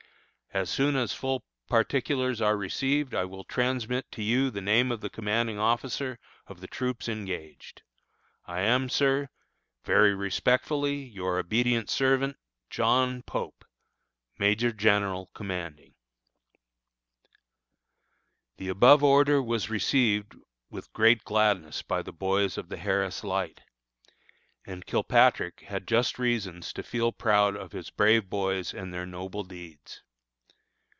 As soon as full particulars are received I will transmit to you the name of the commanding officer of the troops engaged. I am, Sir, very respectfully, Your obedient servant, JOHN POPE, Major General Commanding. The above order was received with great gladness by the boys of the Harris Light, and Kilpatrick had just reasons to feel proud of his brave boys and their noble deeds.